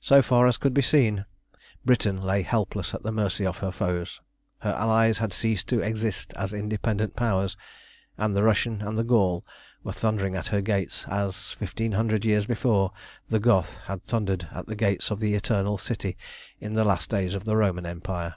So far as could be seen, Britain lay helpless at the mercy of her foes. Her allies had ceased to exist as independent Powers, and the Russian and the Gaul were thundering at her gates as, fifteen hundred years before, the Goth had thundered at the gates of the Eternal City in the last days of the Roman Empire.